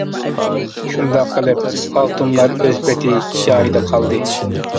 شۇنداق قىلىپ ئالتۇنلار ئۆز پېتى جايىدا قالدى.